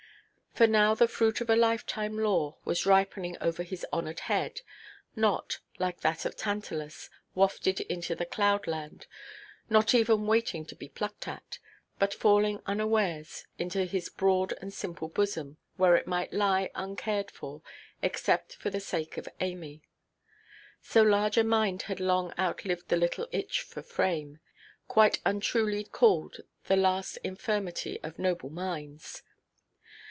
For now the fruit of a lifetime lore was ripening over his honoured head, not (like that of Tantalus) wafted into the cloud–land, not even waiting to be plucked at, but falling unawares into his broad and simple bosom, where it might lie uncared for, except for the sake of Amy. So large a mind had long outlived the little itch for fame, quite untruly called "the last infirmity of noble minds."